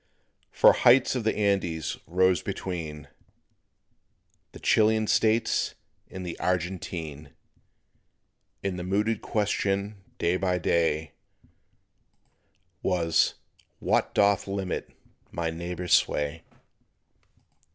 For heights of the Andes rose between The Chilean States and the Argentine; And the mooted question, day by day, Was "What doth limit my neighbor's sway?"